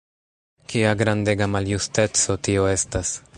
Kia grandega maljusteco tio estas!